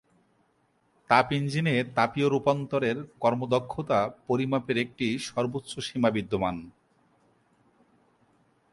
তাপ ইঞ্জিনে তাপীয় রূপান্তরের কর্মদক্ষতা পরিমাপের একটি সর্বোচ্চ সীমা বিদ্যমান।